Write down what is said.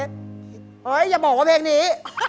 เฮ้ยอย่าบอกว่าเพลงนี้